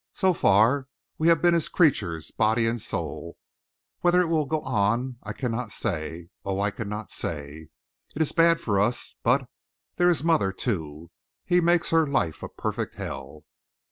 So far, we have been his creatures, body and soul. Whether it will go on, I cannot say oh, I cannot say! It is bad for us, but there is mother, too. He makes her life a perfect hell!"